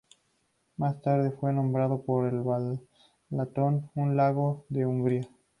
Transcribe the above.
Más tarde fue nombrado por el Balatón, un lago de Hungría.